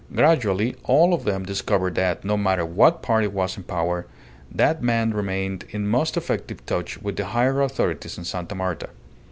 Gradually all of them discovered that, no matter what party was in power, that man remained in most effective touch with the higher authorities in Sta. Marta.